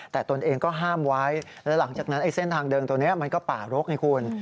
แต่ตนเองก็ห้ามไว้แล้วหลังจากนั้นไอ้เส้นทางเดิมตัวนี้มันก็ป่ารกไงคุณ